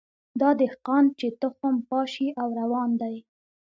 دا دهقان چي تخم پاشي او روان دی